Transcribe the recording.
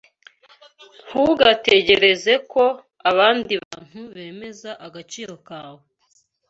Ntugategereze ko abandi bantu bemeza agaciro kawe